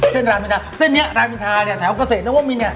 เส้นร้านอินทราเส้นนี้ร้านอินทราเนี่ยแถวกเกษตรแล้วว่ามีเนี่ย